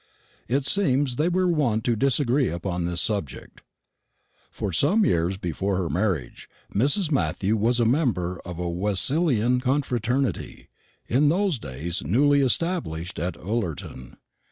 It seems they were wont to disagree upon this subject. For some years before her marriage Mrs. Matthew was a member of a Wesleyan confraternity, in those days newly established at Ullerton.